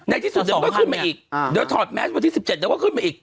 ในที่สุดส่งก็ขึ้นมาอีกเดี๋ยวถอดแมสวันที่๑๗เดี๋ยวก็ขึ้นมาอีก